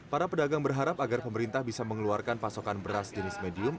para pedagang berharap agar pemerintah bisa mengeluarkan pasokan beras jenis medium